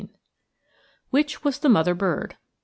WHICH WAS THE MOTHER BIRD?